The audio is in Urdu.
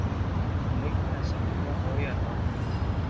ملک میں اسمبلیاں ہوں یا نہ ہوں۔